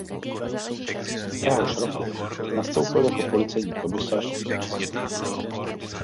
Téhož roku nastoupil jako policejní komisař do Krnova.